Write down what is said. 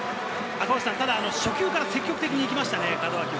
ただ、初球から積極的にいきましたね。